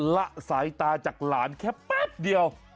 ละสายตาจากหลานแค่แป๊บเดียว